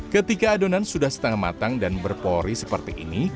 ketika adonan sudah setengah matang dan berpori seperti ini